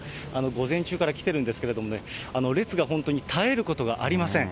午前中から来てるんですけれどもね、列が本当に絶えることがありません。